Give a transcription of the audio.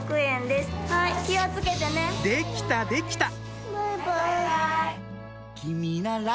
できたできた！